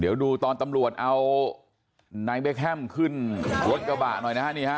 เดี๋ยวดูตอนตำรวจเอานายเบคแฮมขึ้นรถกระบะหน่อยนะฮะนี่ฮะ